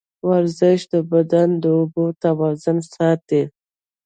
ورزش د بدن د اوبو توازن ساتي.